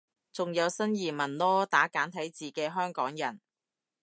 仲有新移民囉，打簡體字嘅香港人